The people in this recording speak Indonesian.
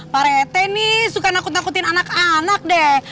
pak rete nih suka nakut nakutin anak anak deh